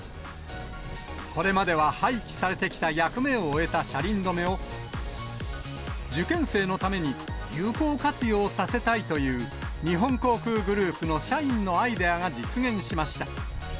これまでは廃棄されてきた、役目を終えた車輪止めを、受験生のために有効活用させたいという日本航空グループの社員のアイデアが実現しました。